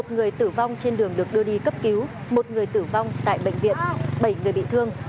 một người tử vong trên đường được đưa đi cấp cứu một người tử vong tại bệnh viện bảy người bị thương